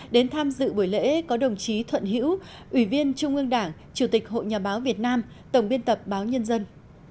đến tham dự buổi lễ có đồng chí thuận hữu ủy viên trung ương đảng chủ tịch hội nhà báo việt nam tổng biên tập báo nhân dân